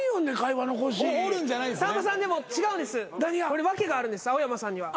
これ訳があるんです青山さんには。